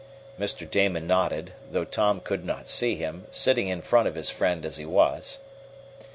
Mr. Damon nodded, though Tom could not see him, sitting in front of his friend as he was.